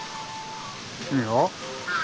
いいよ。